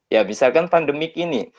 ya misalkan pandemi ini